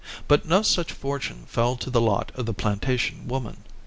But no such fortune fell to the lot of the plantation woman.